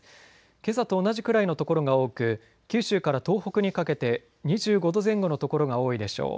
けさと同じくらいの所が多く九州から東北にかけて２５度前後の所が多いでしょう。